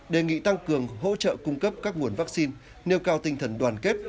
đề nghị tăng cường hỗ trợ cung cấp các nguồn vaccine nêu cao tinh thần đoàn kết